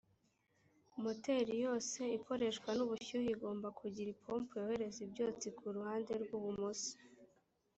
moteri yose ikoreshwa n ubushyuhe igomba kugira impombo yohereza ibyotsi ku ruhande rwubumoso